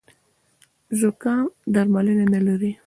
زوکام درملنه نه لري